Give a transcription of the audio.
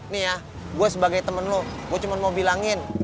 nih ya gue sebagai temen lo gue cuma mau bilangin